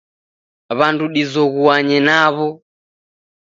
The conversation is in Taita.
W'andu dizoghuanye naw'o.